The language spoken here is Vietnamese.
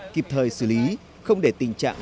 kịp thời xử lý không để tình trạng